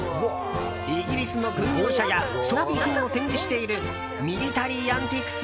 イギリスの軍用車や装備品を展示しているミリタリーアンティークス